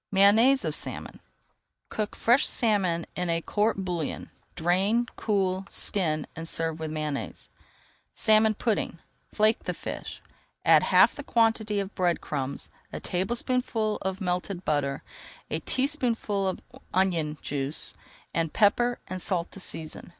MAYONNAISE OF SALMON Cook fresh salmon in a court bouillon, drain, cool, skin, and serve with Mayonnaise. SALMON PUDDING Flake the fish, add half the quantity of bread crumbs, a tablespoonful of melted butter, a teaspoonful of onion juice, and pepper and salt to season.